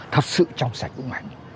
thật sự trong sạch vững mạnh